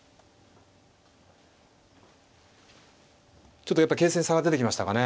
ちょっとやっぱり形勢に差が出てきましたかね